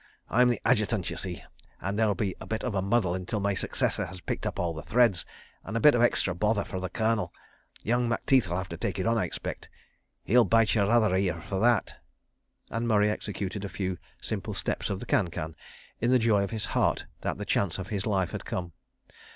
I'm the Adjutant, you see, and there'll be a bit of a muddle until my successor has picked up all the threads, and a bit of extra bother for the Colonel. ... Young Macteith'll have to take it on, I expect. ... He'll bite your other ear for that. .." and Murray executed a few simple steps of the can can, in the joy of his heart that the chance of his life had come.